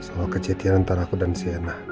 soal kejadian antara aku dan sienna